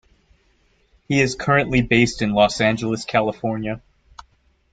He is currently based in Los Angeles, California.